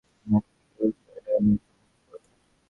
আর কিছু পেলেও সেগুলো ডাইনির সম্মোহনের পূর্বে।